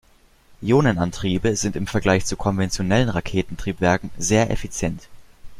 Ionenantriebe sind im Vergleich zu konventionellen Raketentriebwerken sehr effizient.